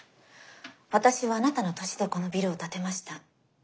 私はあなたの年でこのビルを建てました。